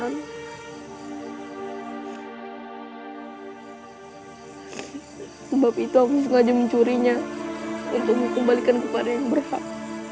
tapi itu aku sengaja mencurinya untuk membalikkan kepada yang berhak